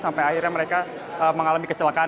sampai akhirnya mereka mengalami kecelakaan